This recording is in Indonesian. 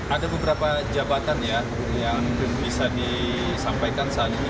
ada beberapa jabatan ya yang bisa disampaikan saat ini